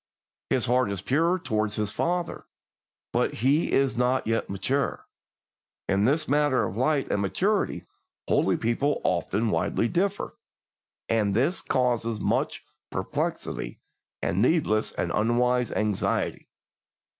His heart is pure toward his father, but he is not yet mature. In this matter of light and maturity holy people often widely differ, and this causes much perplexity and needless and unwise anxiety.